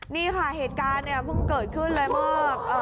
นี่ค่ะเหตุการณ์เนี่ยเพิ่งเกิดขึ้นเลยเมื่อ